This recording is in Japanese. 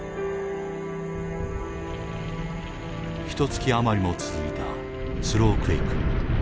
１か月余りも続いたスロークエイク。